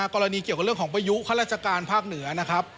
กรณีเกี่ยวกับเรื่องของพายุข้าราชการภาคเหนือนะครับ